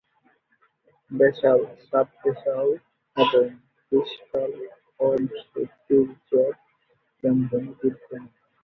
Basal, sub basal এবং discal অংশে তীর্যক বন্ধনী বিদ্যমান।